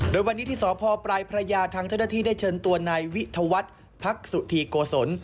โดยวันนี้ที่สพปลายพระยาทางเจ้าหน้าที่ได้เชิญตัวนายวิทวัฒน์พักสุธีโกศล